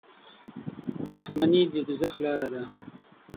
• دښمني د دوزخ لاره ده.